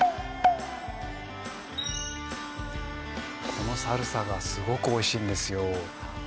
このサルサがすごくおいしいんですよ